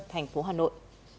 thành phố hà nội